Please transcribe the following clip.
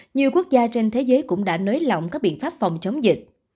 nhiều quốc gia trên thế giới cũng đã nới lỏng các biện pháp phòng chống dịch